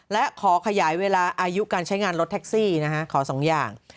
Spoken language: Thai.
และขอขยายเวลาอายุการใช้งานรถแท็กซี่นะฮะขอสองอย่าง